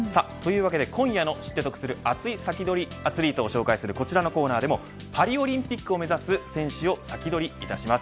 今夜の知って得する熱いアスリートを紹介するコーナーではパリオリンピックを目指す選手を先取りします。